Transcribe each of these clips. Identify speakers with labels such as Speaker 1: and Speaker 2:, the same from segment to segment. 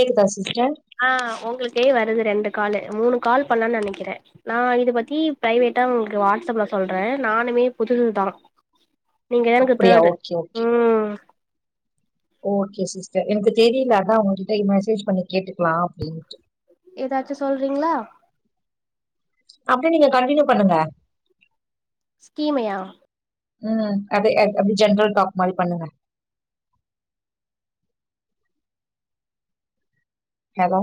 Speaker 1: கேக்குதா சிஸ்டர்
Speaker 2: ஆ உங்களுக்கே வருது ரெண்டு கால்லு மூனு கால் பண்ணன் நனைக்கிறே நா இத பத்தி பிரைவேட்டா உங்களுக்கு வாட்ஸ்அப்ல சொல்றே நானுமே புதுசுதா நீங்கத எனக்
Speaker 1: அப்டியா
Speaker 2: தேர்டு
Speaker 1: ஓகே ஓகே
Speaker 2: ம்
Speaker 1: ஓகே சிஸ்டர் எனக்கு தெரியில அதா உங்ககிட்ட இமெசேஜ் பண்ணி கேட்டுக்கலா அப்டின்ட்டு
Speaker 2: எதாச்சு சொல்றிங்களா
Speaker 1: அப்டியே நீங்க கண்டினியூ பண்ணுங்க
Speaker 2: ஸ்கீமையா
Speaker 1: ம் அதே அ அப்டி ஜென்ரல் டாக் மாரி பண்ணுங்க ஹலோ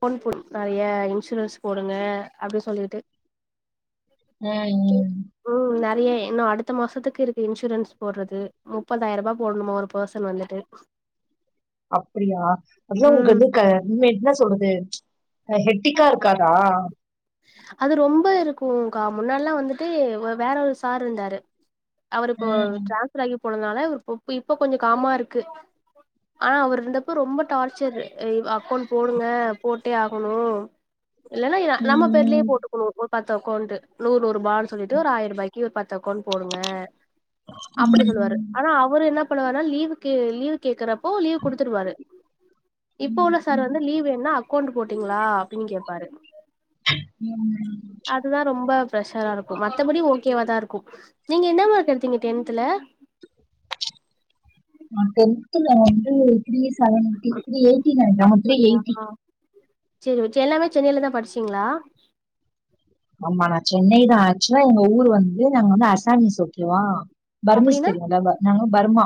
Speaker 2: ஃபோன் போட் நறைய இன்சூரன்ஸ் போடுங்க அப்படி சொல்லிட்டு
Speaker 1: ம் ம்
Speaker 2: ம் நறைய இன்னு அடுத்த மாசத்துக்கு இருக்கு இன்சூரன்ஸ் போற்றது முப்பதாயிரரூபா போட்ணுமா ஒரு பர்சன் வந்துட்டு
Speaker 1: அப்படியா அத்தா உங்க
Speaker 2: ம்
Speaker 1: து க ம் என்ன சொல்றது ஹெட்டிக்கா இருக்காறா
Speaker 2: அது ரொம்ப இருக்கு கா முன்னால்ல வந்துட்டு வ வேற ஒரு சார் இருந்தாரு அவரு இப்போ
Speaker 1: ம்
Speaker 2: டிரான்ஸராய் போனதுனால இவரு ப்ப இப்ப இப்ப கொஞ்ச காமா இருக்கு ஆனா அவர் இருந்தப்ப ரொம்ப டார்ச்சரு அ அக்கௌண்ட் போடுங்க போட்டே ஆகணு இல்லன்னா எ நம்ம பேர்லயே
Speaker 1: ம்
Speaker 2: போட்டுருக்கணு ஒர் பத்து அக்கௌண்ட்டு நூறுநூறுபான் சொல்லிட்டு ஒரு ஆயிரரூபாய்க் க்கி ஒர் பத் அக்கவுண்ட் போடுங்க அப்படி
Speaker 1: ம்
Speaker 2: சொல்லுவாரு ஆனா அவரு என்ன பண்ணுவார்ன்னா லீவுக்கு லீவுக் கேக்குறப்போ லீவ் குடுத்துருவாரு இப்போ
Speaker 1: ம்
Speaker 2: உள்ள சார்
Speaker 1: ம்
Speaker 2: வந்து லீவ் வேணா அக்கௌண்ட் போட்டீங்களா அப்டின்னு கேட்பாரு
Speaker 1: ம்
Speaker 2: அதுதா ரொம்ப ப்ரெஷரா இருக்கு மத்தபடி ஓகேவா தா இருக்கு நீங்க என்ன மார்க் எடுத்தீங்க டென்த்ல
Speaker 1: நா டென்த்ல வந்து three eight seventy three eighty nine [unintelligible] three eighty
Speaker 2: சரி எல்லாமே சென்னையில தா படிச்சீங்களா
Speaker 1: ஆமா நான் சென்னைதா ஆக்சுவலா எங்க ஊர் வந்து நாங்க வந்து [unintelligible] பர்மோஸ்
Speaker 2: அப்டின்னா
Speaker 1: தெரியும்ல ப நாங்க பர்மா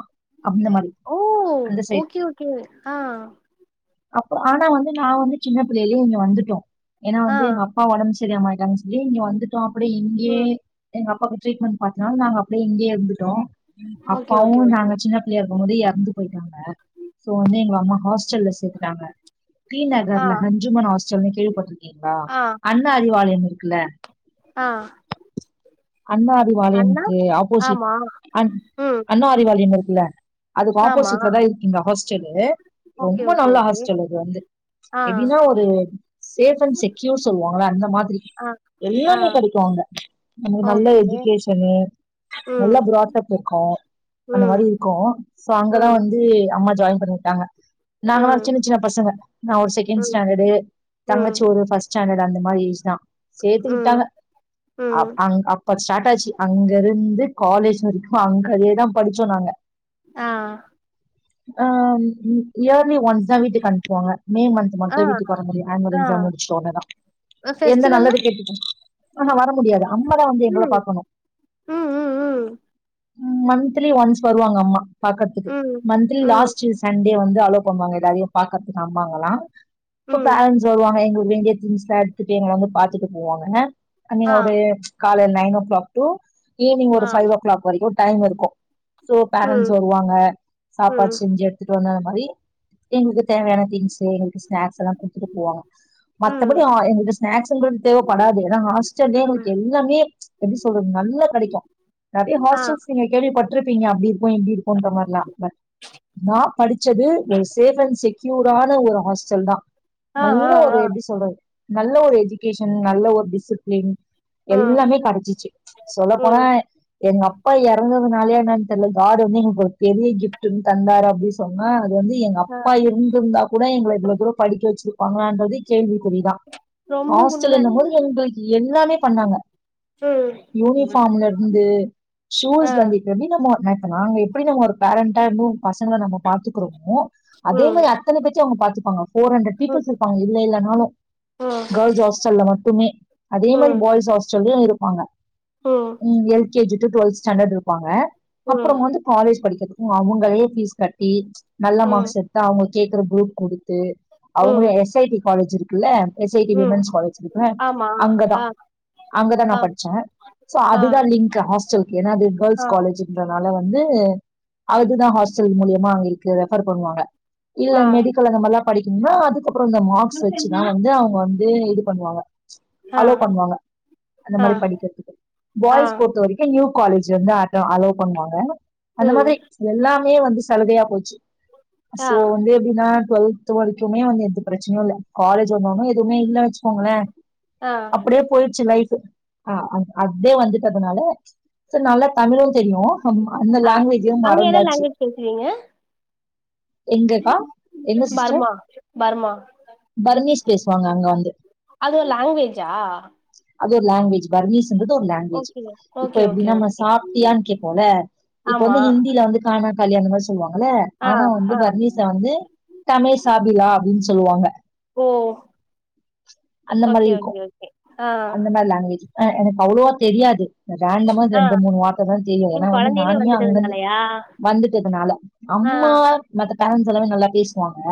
Speaker 1: அந்த மாரி.
Speaker 2: ஓ
Speaker 1: அந்த சைட்.
Speaker 2: ஓகே ஓகே அ
Speaker 1: அப்ப ஆனா வந்து நா வந்து சின்ன பிள்ளையிலயே இங்க வந்துட்டோ ஏன்னா
Speaker 2: ஆ
Speaker 1: வந்து எங் அப் அப்பா ஒடம்பு சரியாம ஆயிட்டாங்கன்னு சொல்லி இங்க வந்துட்டோ அப்டியே
Speaker 2: ம்
Speaker 1: இங்கயே எங்க அப்பாக்கு ட்ரீட்மெண்ட் பாத்தனால நாங்க அப்டியே இங்கயே இருந்துட்டோ
Speaker 2: ஓகே
Speaker 1: அப்பாவு
Speaker 2: ஓகே ஓகே
Speaker 1: நாங்க சின்ன பிள்ளையா இருக்குபோது எறந்து போயிட்டாங்க சோ வந்து எங்க அம்மா ஹாஸ்டல்ல சேத்துட்டாங்க டி
Speaker 2: ஆ
Speaker 1: நகர்ல ஹஞ்சுமன் ஹாஸ்டல் கேள்விப்பட்டிருக்கீங்களா
Speaker 2: ஆ
Speaker 1: அண்ணா அறிவாலயம் இருக்குல்ல
Speaker 2: அ
Speaker 1: அண்ணா அறிவாலயம்க்கு ஆப்போசிட்
Speaker 2: ஆமா
Speaker 1: அண்
Speaker 2: ம்
Speaker 1: அண்ணா அறிவாலயம் இருக்குல்ல அதுக்கு
Speaker 2: ஆமா
Speaker 1: ஆப்போசிட்ல தா இருக்கு எங்க ஹாஸ்டல்லு
Speaker 2: ஓகே
Speaker 1: ரொம்ப
Speaker 2: ஓகே
Speaker 1: நல்ல
Speaker 2: ஓகே
Speaker 1: ஹாஸ்டல் அது வந்து
Speaker 2: ஆ
Speaker 1: எப்டின்னா ஒரு சேஃப் அண்ட் செக்யூர் சொல்லுவாங்களா அந்த மாதிரி
Speaker 2: அ அ
Speaker 1: படிவாங்க நல்ல எஜிகேஷனு நல்ல
Speaker 2: ம்
Speaker 1: ப்ராபிட் இருக்கு அந்த
Speaker 2: ம்
Speaker 1: மாதிரி இருக்கு சோ அங்கதா
Speaker 2: ம்
Speaker 1: வந்து அம்மா ஜாயின் பண்ண [unintelligible] நாங்களா
Speaker 2: ம்
Speaker 1: சின்ன சின்ன பசங்க நா ஒரு செகண்ட்
Speaker 2: ம்
Speaker 1: ஸ்டாண்டர்டு
Speaker 2: ம்
Speaker 1: தங்கச்சி ஒரு பஸ்ட் ஸ்டாண்டர்ட் அந்த மாரிதா சேத்து
Speaker 2: ம்
Speaker 1: விட்டாங்க
Speaker 2: ம்
Speaker 1: அ அப்ப ஸ்டார்ட் ஆச்சு அங்க இருந்து காலேஜ் வரைக்கு அங்கயே தா படிச்சோ நாங்க
Speaker 2: அ
Speaker 1: அ இயர்லி ஒன்ஸ் தா வீட்டுக்கு அனுப்பவாங்க மே மந்த்
Speaker 2: ஆ
Speaker 1: மத்த வீட்டுக்கு வரமுடியு ஆன்வல்
Speaker 2: ஆ
Speaker 1: எக்ஸாம் முடிச்ச உடனேதா எந்த நல்லது
Speaker 2: ஃபெஸ்டிவெல்லாம்
Speaker 1: கெட்டது ஆனா வர முடியாது அம்மதா வந்து எங்கள
Speaker 2: ம்
Speaker 1: பாக்கணு
Speaker 2: ம் ம் ம்
Speaker 1: மன்த்லி ஒன்ஸ் வருவாங்க அம்மா பாக்கறதுக்கு
Speaker 2: ம்
Speaker 1: மன்த்
Speaker 2: ம்
Speaker 1: லாஸ்ட் சண்டே வந்து அலோ பண்ணுவாங்க எல்லாரையு பாக்கறதுக்கு அம்பாங்கலா இப்ப
Speaker 2: ம்
Speaker 1: பேரண்டட்ஸ் வருவாங்க எங்க எங்க திங்ஸ்லா எடுத்துட்டு எங்க வந்து பாத்துட்டு போவாங்க ஐ மீன்
Speaker 2: ஆ
Speaker 1: ஒரு காலையில்ல nine o'clock to evening ஒரு
Speaker 2: ஆ
Speaker 1: பஃபைவ் ஓ கிளாக் வரைக்கு டைம் இருக்கு சோ
Speaker 2: ம்
Speaker 1: பேரண்ட்ஸ் வருவாங்க
Speaker 2: ம்
Speaker 1: சாப்பாடு செஞ்சு குடுத்துட்டு வந்தந்த மாரி எங்களுக்கு தேவையான திங்ஸ் எங்களுக்கு ஸ்நாக்ஸ் எல்லா குடுத்துட்டு போவாங்க
Speaker 2: ம்
Speaker 1: மத்தபடி எங்களுக்கு ஸ்நாக்ஸ்ன்றது தேவப்படாது ஏனா ஹாஸ்
Speaker 2: ம்
Speaker 1: எல்லாமே எப்டி சொல்றது நல்லா கெடைக்கு நெறைய
Speaker 2: ஆ
Speaker 1: ஹாஸ்டல் நீங்க கேள்விப்பட்டிருப்பீங்க அப்டி இருக்கு இப்டி இருக்குன்ற மாரிலா அ நா படிச்சது ஒரு சேஃப் அண்ட் செக்யூர்டான ஒரு ஹாஸ்டல் தா
Speaker 2: ஆ
Speaker 1: நல்ல
Speaker 2: ஆ
Speaker 1: ஒரு
Speaker 2: ஆ
Speaker 1: எப்டி சொல்றது நல்ல ஒரு எஜிகேஷன் நல்ல ஒரு டிசிப்ளின்
Speaker 2: ம்
Speaker 1: எல்லாமே கெடச்சிச்சு சொல்ல போனா
Speaker 2: ம்
Speaker 1: எங்க அப்பா எறந்ததுனாலயான்னு தெரியல காட் வந்து எங்களுக்கு ஒரு பெரிய கிப்ட்ன்னு தந்தாரு அப்டின் சொன்னா அது வந்து எங்க எங்க
Speaker 2: ஆ
Speaker 1: அப்பா இருந்திருந்தா கூட எங்கள இவ்வளவு தூரம் படிக்க வச்சிருப்பாங்களான்றது கேள்விக்குறிதா
Speaker 2: ரொம்ப உண்ம
Speaker 1: [unintelligible] எல்லாமே பண்ணாங்க
Speaker 2: ம்
Speaker 1: யூனிஃபார்ல இருந்து
Speaker 2: ஆ
Speaker 1: ஷூஸ்ல இருந்து இது எப்டி நம்ம நெத்து நாங்க எப்டி நம்ம ஒரு பேரண்டா இரு பசங்க நம்ம பாத்துக்குறோமோ அதே
Speaker 2: ம்
Speaker 1: மாரி அத்தனை பேத்தயு அவுங்க பாத்துப்பாங்க ஃபோர் ஹண்ட்ரட்
Speaker 2: ம்
Speaker 1: பீப்பிள்ஸ் இருப்பாங்க இல்ல இல்லனாலு
Speaker 2: ம்
Speaker 1: கேர்ள்ஸ் ஹாஸ்டல்ல மட்டுமே இதே மாரி
Speaker 2: ம்
Speaker 1: பாய்ஸ் ஹாஸ்டல்லயு இருப்பாங்க
Speaker 2: ம்
Speaker 1: அ L K G to twelfth standard இருப்பாங்க அப்றோ வந்து காலேஜ் படிக்கிறதுக்கு அவுங்களே ஃபீஸ் கட்டி நல்ல
Speaker 2: ம்
Speaker 1: மார்க்ஸ் எத்தா அவங்க கேக்குற குரூப் குடுத்து
Speaker 2: ம்
Speaker 1: அவுங்களே
Speaker 2: ம்
Speaker 1: எஸ் ஐடி காலேஜ் இருக்கு க்குல்ல எஸ் ஐ டி
Speaker 2: ம்
Speaker 1: உமன்ஸ் காலேஜ் இருக்குல
Speaker 2: ஆமா ஆ ஹா
Speaker 1: அங்கதா நா படிச்சே சோ
Speaker 2: ஆ
Speaker 1: அதுதா லிங்க் ஹாஸ்டலக்கு ஏன்னா அது கேர்ள்ஸ்
Speaker 2: ஆ
Speaker 1: காலேஜ் இந்த வேல வந்து அதுதா ஹாஸ்டல் மூலியமா அவிங்களுக்கு ரெஃபர் பண்ணுவாங்க இல்ல
Speaker 2: ஆ
Speaker 1: மெடிக்கல் அந்த மாரிலா படிக்கணும்னா அதுக்கப்றோ இந்த மார்க்ஸ் வெச்சிதா வந்து அவுங்க வந்து இது பண்ணுவாங்க
Speaker 2: ஆ
Speaker 1: அலோ பண்ணுவாங்க அந்த
Speaker 2: ஆ
Speaker 1: மாரி படிக்கிறதுக்கு
Speaker 2: ஆ
Speaker 1: பாய்ஸ் பொறுத்த வரைக் கே நியூ காலேஜ் வந்து அட் அலோ பண்ணுவாங்க அந்த
Speaker 2: ம்
Speaker 1: மாதிரி எல்லாமே வந்து சலுகையா போச்சு
Speaker 2: ஆ
Speaker 1: சோ வந்து எப்டின்னா டு்வெல்த் வரைக்குமே வந்து எந்த பிரச்சனையு இல்ல காலேஜ் வந்தோன்னே எதுவுமே இல்ல வெச்சிக்கோங்களே
Speaker 2: ஆ
Speaker 1: அப்டியே போயிட்ச்சி லைஃப் ஆ அதே வந்துட்டனால சோ நல்லா தமிழு தெரியு அந்த
Speaker 2: ஆ
Speaker 1: லாங்குவேஜியும்
Speaker 2: அங்க என்ன
Speaker 1: மறந்தாச்சி
Speaker 2: லாங்குவேஜ் பேசுவீங்க
Speaker 1: எங்கக்கா எங்க சிஸ்டர்
Speaker 2: பர்மா பர்மா
Speaker 1: பர்னிஸ் பேசுவாங்க அங்க வந்து
Speaker 2: அது ஒரு லாங்குவேஜா
Speaker 1: அது ஒரு லாங்குவவேஜ் பர்னீஸ் இங்கறது ஒரு லாங்குவேஜ்
Speaker 2: ஓகே
Speaker 1: லாங்குவேஜ்
Speaker 2: ஓகே
Speaker 1: இப்ப
Speaker 2: ஓகே
Speaker 1: எப்டினா நம்ம
Speaker 2: ஓகே
Speaker 1: சாப்ட்டியான்னு கேபோம்ல இப்ப
Speaker 2: ஆமா
Speaker 1: வந்து ஹிந்தியில வந்து கானா காயா அந்த மாரி சொல்லுவாங்கல்ல
Speaker 2: ஆ
Speaker 1: ஆனா வந்து
Speaker 2: ஆ
Speaker 1: பர்னிஸ்ல வந்து தமேசாபிலா அப்டின்னு சொல்லுவாங்க
Speaker 2: ஓ
Speaker 1: அந்த மாரி
Speaker 2: ஓகே
Speaker 1: இருக்கு
Speaker 2: ஓகே ஓகே ஆ
Speaker 1: அந்த மாரி லாங்குவேஜ் ஆ எனக்கு அவ்ளோவா தெரியாது ரேண்டமா
Speaker 2: ஆ
Speaker 1: ரெண்டு மூணு வார்த்த தா தெரியு
Speaker 2: நீங்க
Speaker 1: ஏன்னா வந்து
Speaker 2: கொழந்தையிலே
Speaker 1: நானுமே அங்க இருந்து
Speaker 2: வந்துட்டதுனாலயா
Speaker 1: வந்துட்டதுனால
Speaker 2: ஆ
Speaker 1: அம்மா மத்த பேரண்ட்ஸ் எல்லாமே நல்லா பேசுவாங்க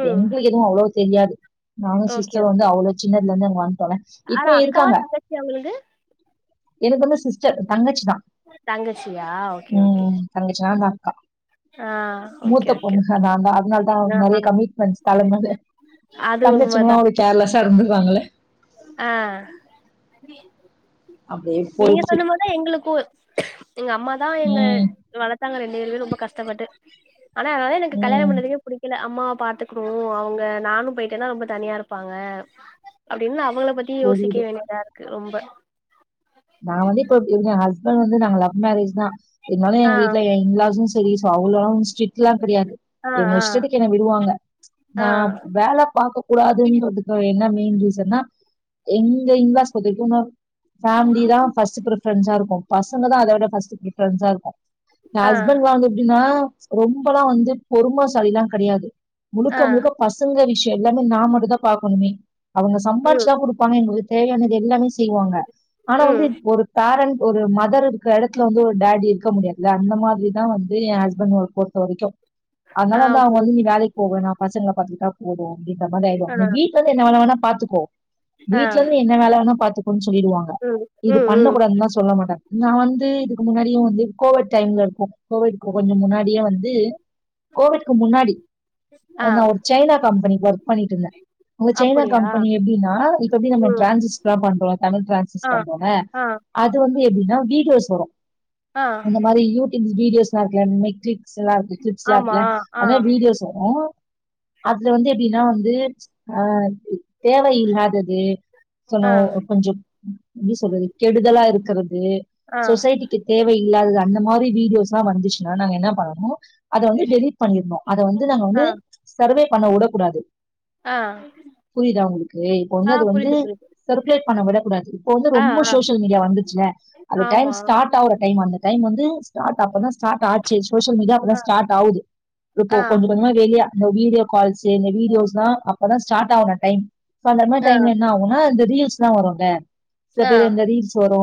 Speaker 2: ம்
Speaker 1: எங்க எதுவு அவ்ளவா தெரியாது நானு
Speaker 2: ஓகே
Speaker 1: சிஸ்டர் வந்து
Speaker 2: ஓகே
Speaker 1: அவ்ளோ சின்னதுல இருந்து இங்க வந்துடோல்ல
Speaker 2: ஆனா
Speaker 1: இப்ப
Speaker 2: அக்காவா
Speaker 1: இருக்காங்க
Speaker 2: தங்கச்சியா உங்களுக்கு
Speaker 1: என்னத்கு வந்து சிஸ் தங்கச்சி தா
Speaker 2: தங்கச்சியா ஓகே ஓகே
Speaker 1: ம் தங்கச்சி தா நாந்தா அக்கா
Speaker 2: ஆ ஓகே
Speaker 1: முத்த
Speaker 2: ஓகே
Speaker 1: பொண்ணு நான்தா அத்னால தா
Speaker 2: ஆ
Speaker 1: நெறைய கமிட்மெண்ட்ஸ் தலைமேல
Speaker 2: அது உண்மதா
Speaker 1: கேர்லஸ்சா இருந்துடுவாங்ல
Speaker 2: ஆ
Speaker 1: அப்படியே
Speaker 2: நீங்க
Speaker 1: போயிடுச்சு
Speaker 2: சொன்ன மாரி தா எங்களுக்கு எங்க அம்மா தா என்ன
Speaker 1: உம்
Speaker 2: வளத்தாங்க எங்க ரெண்டு பேரு ரொம்ப கஷ்டப்பட்டு ஆனா அதனால எனக்கு கல்யாண
Speaker 1: உம்
Speaker 2: பண்ணறதுக்கே பிடி க்கல அம்மாவ பாத்துக்கணு அவங்க நானு போயிட்டேனா ரொம்ப தனியா இருப்பாங்க அப்டின்னு அவங்கள பத்தி யோசிக்க
Speaker 1: புரியுது
Speaker 2: வேண்டியதா இருக்கு ரொம்ப
Speaker 1: நா வந்து இப்ப இவங்க ஹஸ்பண்ட் வந்து நாங்க லவ் மேரேஜ் தா இருந்தாலு
Speaker 2: ஆ
Speaker 1: எங்க வீட்ல இன்லாசும் செரி சோ அவ்ளோல்லா ஸ்ட்ரிக்ட்லா கெடையாது
Speaker 2: ஆ
Speaker 1: எங்க
Speaker 2: ஆ
Speaker 1: இஷ்டத்துக்கு என்ன விடுவாங்க
Speaker 2: ஆ
Speaker 1: நா வேல பாக்க கூடாதுன்றதுக்கு என்ன மெயின் ரீசான்னா எங்க இன்லாஸ் பொருத்த வரைக்கு இன்னொரு ஃபேமிலி திதா ஃபஸ்ட் பிரி ஃபெரென்ஸா இருக்கு, பசங்கதா அத விட ஃபர்ஸ்ட் பிரிஃபெரென்ஸ் இருக்கு, என்
Speaker 2: ஆ
Speaker 1: ஹஸ்பண்ட்லா வந்து எப்டின்னா ரொம்பெல்லா வந்து பொறுமசாலிலா கடையாது
Speaker 2: ஆ
Speaker 1: முழுக்க முழுக்க பசங்க விஷய எல்லாமே நா மட்டுந்தா பாக்கணுமே அவங்க
Speaker 2: ம்
Speaker 1: சம்பாதிச்சுதா குடுப் பாங்க எங்களுக்கு தேவையானது எல்லாமே செய்வாங்க ஆனா வந்து
Speaker 2: ம்
Speaker 1: ஒரு பேரண்ட் ஒரு மதர் இருக்கற எடத்துல வந்து ஒரு டாடி இருக்க முடியாதுல அந்த மாதிரிதா வந்து எ ஹஸ்பண்ட் ஒரு பொரு த்த வரைக்கு அதனால
Speaker 2: ஆ
Speaker 1: வந்து அவங்க
Speaker 2: புரியுது
Speaker 1: வந்து நீ வேலைக்கு போவேனா பசங்கள பாத்துக்கிட்டா போது அப்டின்ற மாதிரி ஆயிடும்
Speaker 2: ஆ
Speaker 1: நீ வீட் ல இருந்து என்ன வேல வேணா பாத்துக்கோ
Speaker 2: ஆ
Speaker 1: வீட்ல இருந்து நீ என்ன வேல வேணா பாத்துக்கோனு சொல்லிடுவாங்க
Speaker 2: ம்
Speaker 1: இது
Speaker 2: ம் ம்
Speaker 1: பண்ணக்கூடாதுன்னுலா சொல்ல மாட்டாங் நா வந்து இதுக்கு முன்னாடியே வந்து கோவிட் டைம்ல இருக்கு கோவிட்க்கு கொஞ்ச முன்னாடியே வந்து கோவிட்க்கு முன்னாடி
Speaker 2: ஆ
Speaker 1: நா ஒரு சைனா கம்பெனி ஒர்க் பண்ணிட்டு இருந்த அந்த சைனா
Speaker 2: அப்டியா
Speaker 1: கம்பனி எப்டினா இப்ப எப்டி நம்ம
Speaker 2: ம்
Speaker 1: டிரான்சிஸ்ட்லா பண்றோ தமிழ் டிரான்சிஸ்
Speaker 2: ஆ
Speaker 1: பண்றோம்ல
Speaker 2: ஆ
Speaker 1: அது வந்து எப்டின்னா வீடியோஸ் வரு
Speaker 2: ஆ
Speaker 1: மாரி யூடியூப் வீடியோஸ்லா இருக்குல அந்த மாரி கிளிப்ஸ் எல்லா இருக்கு கிளிப்ஸ்லா
Speaker 2: ஆமா
Speaker 1: இருக்குல
Speaker 2: ஆ
Speaker 1: அத வீடியோஸ் வரு அதுல வந்து எப்டினா வந்து ஆ தேவயில்லாதது
Speaker 2: ஆ
Speaker 1: சொன்ன கொஞ்ச எப்டி சொல்றது கெடுதலா இருக்கிற து
Speaker 2: ஆ
Speaker 1: சொசைட்டிக்கு தேவ இல்லாதது அந்த மாரி வீடியோஸ் எல்லா வந்துச்சுன்னா நாங்க என்ன பண்ணனு அத வந்து டெலிட் பண்ணிறனு அத வந்து நாங்க
Speaker 2: ஆ
Speaker 1: வந்து சர்வே பண்ண விடக் கூடாது
Speaker 2: ஆ
Speaker 1: புரியுதா உங்களுக்கு இப்ப
Speaker 2: ஆ
Speaker 1: வந்து அது வந்து
Speaker 2: புரியுது புரியுது
Speaker 1: சர்க்குலேட் பண்ண விடக் கூடாது வந்து
Speaker 2: ஆ
Speaker 1: ரொம்ப
Speaker 2: ஆ
Speaker 1: சோஷியல் மீடியா வந்துச்சுல அது டைம்
Speaker 2: ஆமா
Speaker 1: ஸ்டார்ட் ஆவுற டைம் அந்த டைம் வந்து ஸ்டார்ட் அப்பதா ஸ்டார்ட் ஆச்சு சோசியல் மீடியா அப்பதா ஸ்டார்ட் ஆ அது இப்போ
Speaker 2: ஆ
Speaker 1: கொஞ்ச கொஞ்சமா வெளிய இந்த வீடியோ கால்ஸ் இந்த வீடியோஸ் எல்லா அப்பதா ஸ்டார்ட் ஆன டைம் சோ அந்த மாரி
Speaker 2: ஆ
Speaker 1: டைம்ல என்ன ஆவும்னா அந்த ரீல்ஸ் எல்லா வரும்ல சில
Speaker 2: ஆ
Speaker 1: பேரு இந்த ரீல்ஸ் வரு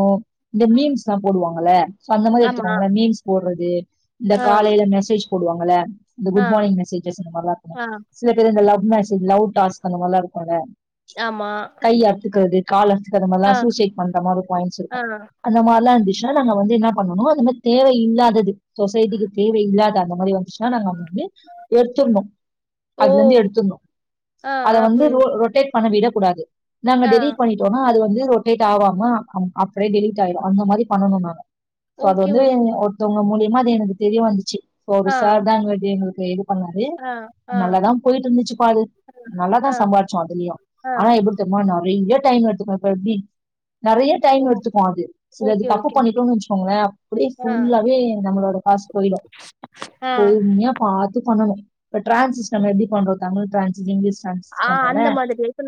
Speaker 1: இந்த மீன்ஸ் எல்லா போடுவாங்கல்ல சோ அந்த மாரி
Speaker 2: ஆமா
Speaker 1: எடுத்துக்கோங்கள மீன்ம்ஸ் போட்றது இந்த
Speaker 2: ஆ
Speaker 1: காலையில மெசேஜ் போடுவாங்கல்ல இந்த
Speaker 2: ஆ
Speaker 1: குட் மார்னிங் மெசேஜஸ் இந்த மாரிலா இருக்கு
Speaker 2: ஆ
Speaker 1: சில பேர் இந்த லவ் மெசேஜ் லவ் டாஸ்க் அந்த மாரிலா இருக்கும்ல
Speaker 2: ஆமா
Speaker 1: கை அறுத்துக்கறது கால் அத்துக்கறது மாரில்லா
Speaker 2: ஆ
Speaker 1: சூசைட் பண்ற மாரி பாயிண்ட்ஸ்
Speaker 2: ஆ
Speaker 1: இருக்கு அந்த மாரிலா இருந்துச்சுன்னா நாங்க வந்து என்ன பண்ணணு அந்த மாரி தேவ இல்லாதது சொசைட்டிக்கு தேவைையில்லாத அந்த மாரி வந்துச்சுன்னா நாங்க அங்க வந்து எடுத்துட்ணு
Speaker 2: ஓ
Speaker 1: அதுல இருந்து எடுத்துட்ணு
Speaker 2: ஆ
Speaker 1: அத
Speaker 2: ஆ
Speaker 1: வந்து ரொ
Speaker 2: புரியுது புரியுது
Speaker 1: ரொட்டேட் பண்ண விடக் கூடாது நாங்க
Speaker 2: ஆ
Speaker 1: டெலிட் பண்ணிட்டோம்னா அது வந்து ரொட் டேட் ஆவாம அ அப்டியே டெலீட் ஆயிடு அந்த மாரி பண்ணனு நாங்க சோ அது
Speaker 2: ஓகே
Speaker 1: வந்து
Speaker 2: ஓகே
Speaker 1: ஒருத்தவங்க மூலியமா அது எனக்கு தெரிய வந்துச்சு ஒரு
Speaker 2: ஆ
Speaker 1: சார் தா டீம்க்கு இது பண்ணாரு
Speaker 2: ஆ ஆ
Speaker 1: நல்லாதா போயிட்டு இருந்துச்சுப்பா அது நல்லாதா
Speaker 2: ஆ
Speaker 1: சம்பாதிச்சோ அதுலயு
Speaker 2: ஆ
Speaker 1: ஆனா எது தெரியுமா நறைய டைம் எடுத்துக்கு இப்ப எப்டி நறைய
Speaker 2: ஓ
Speaker 1: டைம் எடுத்துக்கு அது சில
Speaker 2: ஓகே
Speaker 1: இது தப்பு
Speaker 2: ஓகே ஓகே
Speaker 1: பண்ணிட்டோம்னு வச்சக்கோங்களே அப்டியே
Speaker 2: ஆ
Speaker 1: ஃபுல்லாவே நம்மளோட காசு போயிடு
Speaker 2: ஆ
Speaker 1: பொறுமையா பாத்து பண்ணணு இப்ப டிரான்சிஸ்ட் நம்ம எப்படி பண்றோ தமிழ் டிரான்சிஸ்ட் இங்கிலீஷ் டிரான்சிஸ்ட்
Speaker 2: ஆ அந்த மாதிரி இப்ப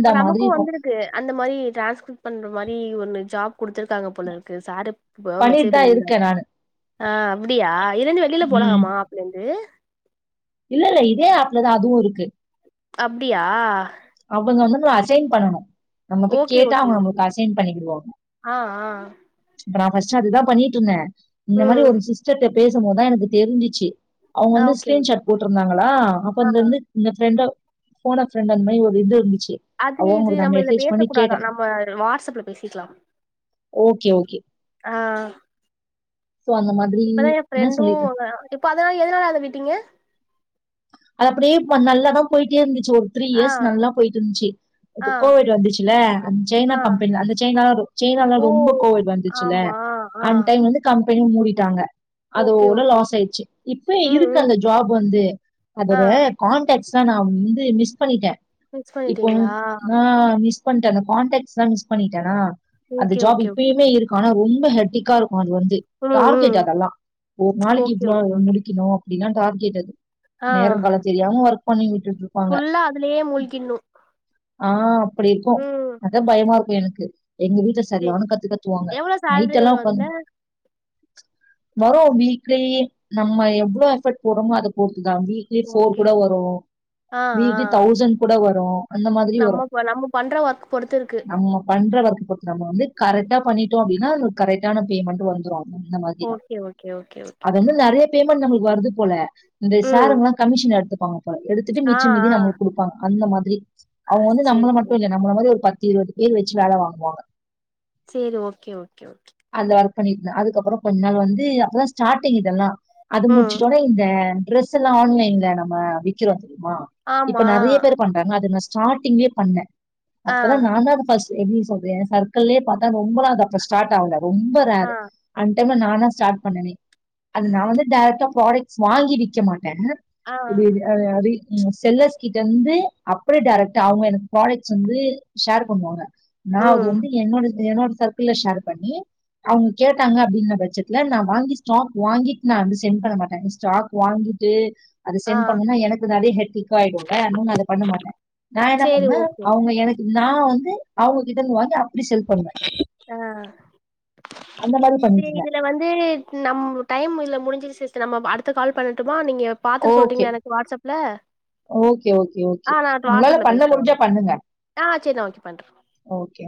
Speaker 2: இப்ப
Speaker 1: மாதிரி
Speaker 2: நமக்கு
Speaker 1: இருக்கும்
Speaker 2: வந்துருக் கு அந்த மாரி டிரான்ஸ்கிரிப்ட் பண்ற மாரி ஒன்னு ஜாப் குடுத்துருக்காங்க போல இருக்கு சாரு இப்பதா
Speaker 1: பண்ணிட்டு
Speaker 2: மெசேஜ்
Speaker 1: தான்
Speaker 2: பண்ணிருந்தாரு
Speaker 1: இருக்கேன் நானு.
Speaker 2: ஆ அப்டியா இதுலேந்து வெளியில
Speaker 1: ம்.
Speaker 2: போலமா ஆப்ல இருந்து
Speaker 1: இல்ல இல்ல இதே ஆப்ல தா அதுவு இருக்கு
Speaker 2: அப்டியா
Speaker 1: அவுங்க வந்து உங்கள அசைன் பண்ணணு நம்மப்போய்
Speaker 2: ஓகே
Speaker 1: கேட்டா
Speaker 2: ஓகே
Speaker 1: அவங்க
Speaker 2: ஓகே
Speaker 1: நம்புளுக்கு ஆசைன் பண்ணிடுவாங்க
Speaker 2: ஆ ஆ
Speaker 1: இப்ப நா ஃபர்ஸ்டு அதுதா பண்ணிட்டு இருந்தே இந்த மாரி
Speaker 2: ம்
Speaker 1: ஒரு சிஸ்டர்ட்டப் பேசும்போதுதா எனக்கு தெரிஞ்சிச்சி அவங்க
Speaker 2: ஆ
Speaker 1: வந்து
Speaker 2: ஓகே ஓகே
Speaker 1: ஸ்க்ரீன் ஷார்ட்டு போட்டிருந்தாங்களா அப்ப
Speaker 2: ஆ
Speaker 1: இந்தந்து இந்த ஃப்ரெண்டா போன ஃப்ரெண்ட்டு அந்த மாரி ஒரு இது இருந்துச்சி
Speaker 2: அது இது நம்ம இதல பேசக்கூடாதா நம்ம வாட்ஸ்அப்ல பேசிக்லா
Speaker 1: ஓகே ஓகே
Speaker 2: ஆ
Speaker 1: சோ அந்த மார்
Speaker 2: இப்பதா என் ஃப்ரெண்டு அங்க அதனால எதனால அத விட்டீங்க
Speaker 1: அது நல்லாதா போயிட்டே இருந்துச்சி ஒரு த்ரீ
Speaker 2: ஆ
Speaker 1: இயர்ஸ் போயிட்டு இருந்துச்சி இப்ப
Speaker 2: ஆ
Speaker 1: கோவிட் வந்துச்சுல அந்த சைனா
Speaker 2: ஆ
Speaker 1: கம்பெனில அந்த சைனாலா சைனாலா
Speaker 2: ஓ
Speaker 1: ரொம்ப கோவிட் வந்துச்சுல
Speaker 2: ஆமா ஆ
Speaker 1: அந்த டைம் வந்து கம்பெனியு மூடிட்டாங்க
Speaker 2: ஓகே
Speaker 1: அதுோட
Speaker 2: ஓகே
Speaker 1: லாஸ் ஆயிடுச்சு இப்ப
Speaker 2: ம்
Speaker 1: இருக்கு
Speaker 2: ம்
Speaker 1: அந்த ஜாப் வந்து
Speaker 2: ஆ
Speaker 1: அதோட கடாக்டஸ்லா நா வந்து மிஸ் பண்ணிட்டே
Speaker 2: மிஸ்
Speaker 1: இப்போ வந்
Speaker 2: பண்ணிட்டீங்களா
Speaker 1: ஆ மிஸ் பண்ட அந்த கான்டெக்ஸ்லா மிஸ் பண்ணிட்டனா அந்த
Speaker 2: ஓகே
Speaker 1: ஜாப்
Speaker 2: ஓகே ஓகே
Speaker 1: இப்பயுமே இருக் கு ஆனா ரொம்ப ஹெட்டிக்கா இருக்கு அது வந்து
Speaker 2: ம் ம்
Speaker 1: டார்கெட் அதெல்லா ஒரு நாளைக்கு
Speaker 2: ஓகே
Speaker 1: இவ்ளோ
Speaker 2: ஓகே ஓகே
Speaker 1: முடிக்கணு அப்டிலா டார்கேட் அது
Speaker 2: ஆ
Speaker 1: நேரங்காலோ தெரியாம ஒர்க் பண்ணி விட்டுட்டுரு
Speaker 2: ஃபுல்லா அதுலயே மூழ்கின்னு
Speaker 1: ஆ அப்படி இருக்கு அதா பயமா இருக்கு எனக்கு எங்க வீட்ல
Speaker 2: சேரி
Speaker 1: சரியான கத்துக்கத்துவாங்க
Speaker 2: எவ்ளோ சேலரி
Speaker 1: நைடெல்லா
Speaker 2: வரு
Speaker 1: உக்காந்து
Speaker 2: அதுல
Speaker 1: வரு வீக்லி நம்ம எவ்ளோ எஃபெக்கெட் போறோமோ அத பொறுத்து தா வீ க்லி போர்
Speaker 2: ஓகே
Speaker 1: கூட
Speaker 2: ஓகே
Speaker 1: வரு
Speaker 2: ஆ
Speaker 1: வீக்லி
Speaker 2: ஆ
Speaker 1: தௌசண்ட் கூட வரு அந்த மாதிரி
Speaker 2: நம்ம
Speaker 1: வரு
Speaker 2: ப நம்ம பண்ற ஒர்க் பொறுத்து இருக்கு
Speaker 1: நம்ம பண்ற வெர்க் பொருத் நம்ம வந்து கரெட்டா பண்ணிட்டோ அப்டின்னா கரெட்டான பேமெண்ட் வந்துரு அந்த மாதிரிதா
Speaker 2: ஓகே ஓகே ஓகே ஓகே
Speaker 1: அது வந்து நெறைய பேமண்ட் நம்புளுக்கு வருது போல இந்த
Speaker 2: ம்
Speaker 1: சாருங்கல்லா கமிஷன் எடுத்துப்பாங்க போல எடுத்துட்டு
Speaker 2: ஆ
Speaker 1: மிச்சம் மீதி
Speaker 2: ஆ
Speaker 1: நம்முளுக்கு குடுப்பாங்க அந்த மாதிரி அவுங்க வந்து
Speaker 2: சேரி
Speaker 1: நம்மள மட்டு
Speaker 2: சேரி
Speaker 1: இல்ல நம்மள மாதிரி ஒரு பத்து இருவது பேர் வெச்சி வேல வாங்குவாங்க
Speaker 2: சேரி ஓகே ஓகே ஓகே
Speaker 1: அந்த ஒர்க் பண்ணிட்ருந்தே அதுக்கப்பறோ கொஞ்ச நாள் வந்து அப்பதா ஸ்டார்டிங் இதெல்லா அது
Speaker 2: ம்
Speaker 1: முடிச்சிட்டோட்னே ட்ரெஸ் எல்லா ஆன்லைன்ல நம்ம விக்கிறோ தெரிமா இப்ப
Speaker 2: ஆமா
Speaker 1: நெறைய பேர் பண்றாங்க அது நா ஸ்டார்ட்டிங்ளே பண்ணே
Speaker 2: ஆ
Speaker 1: அப்பதா நான்தா அத ஃபஸ்ட் எப்புடி சொல்ற எ சர்க்கிள்ளே பாத்தா ரொம்பலா அது அப்ப ஸ்டார்ட் ஆவல ரொம்ப
Speaker 2: ஆ
Speaker 1: ரேரு அந்த டைம்ல நானா ஸ்டார்ட் பண்ணனே அது நா வந்து டைரக்டா ப்ராடக்ட்ஸ் வாங்கி விக்க மாட்டே
Speaker 2: ஆ
Speaker 1: இதேவியா அது அதி செல்லர்ஸ் கிட்டருந்து அப்புடியே டேரெக்ட் அவங்க எனக்கு ப்ராடக்ட்ஸ் வந்து ஷேர் பண்ணுவாங்க நா அது
Speaker 2: ம்
Speaker 1: வந்து என்னோட என்னோட சர்க்கிள் ஷேர் பண்ணி அவங்க கேட்டாங்க அப்டின்ன பட்சத்துல நா வாங்கி ஸ்டாக் வாங்கிட்டு நா வந்து சென்ட் பண்ண மாட்டே ஸ்டாக் வாங்கிட்டு அத
Speaker 2: ஆ
Speaker 1: சென்ட் பண்ணுனா எனக்கு அதே ஹெட்டெக்கா ஆயிடுல உன்னோன்னு அத பண்ண மாட்டே நா என்ன
Speaker 2: சேரி
Speaker 1: பண்ணா
Speaker 2: ஓகே
Speaker 1: அவங்க எனக்கு நா வந்து அவங்க கிட்டந்து வாங்கி அப்டி செல் பண்ணுவே
Speaker 2: ஆ செரி
Speaker 1: பண்ணிட்டு இருந்தேன்
Speaker 2: இதுல வந்து நம் டைம் இதுல முடிஞ்சிருச்சு சிஸ்டர் நம்ம அடுத்த கால் பண்ணட்டுமா நீங்க பாத்துட்டு
Speaker 1: ஓகே
Speaker 2: சொல்றீங்களா எனக்கு வாட்ஸ்அப்ல
Speaker 1: ஓகே ஓகே ஓகே
Speaker 2: ஆ நா
Speaker 1: உங்களால
Speaker 2: வாட்ஸ்அப்ல
Speaker 1: பண்ண
Speaker 2: பேசுறே வாங்க
Speaker 1: முடிஞ்சா பண்ணுங்க
Speaker 2: ஆ சேரி நா ஓகே பண்றே
Speaker 1: ஓகே